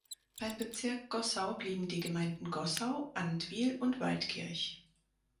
Beim Bezirk Gossau blieben die Gemeinden Gossau, Andwil und Waldkirch.